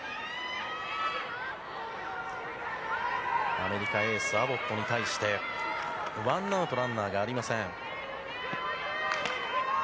アメリカのエースアボットに対してワンアウトランナーがありません。